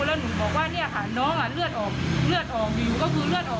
แล้วหนูบอกว่าเนี่ยค่ะน้องเลือดออกเลือดออกอยู่ก็คือเลือดออก